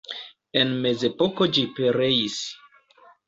En mezepoko ĝi pereis.